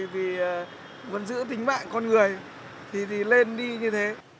vì vẫn giữ tính mạng con người thì lên đi như thế